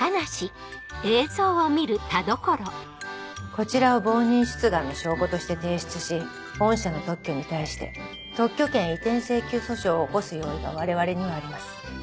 こちらを冒認出願の証拠として提出し御社の特許に対して特許権移転請求訴訟を起こす用意が我々にはあります。